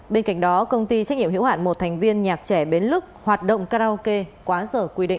bên cạnh đó công ty trách nhiệm hiểu hạn một thành viên nhạc trẻ bến lức hoạt động karaoke quá giờ quy định